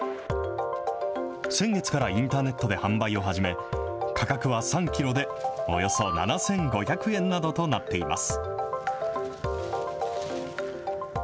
先月からインターネットで販売を始め、価格は３キロでおよそ７５００円などとなっています。